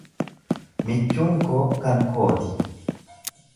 Michuun koo kan koo ti.